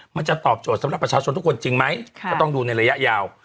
มันจะตอบโจทย์สำหรับประชาชนทุกคนจริงไหมก็ต้องดูในระยะยาว